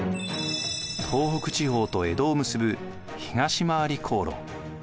東北地方と江戸を結ぶ東廻り航路。